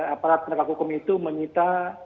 aparat penegak hukum itu menyita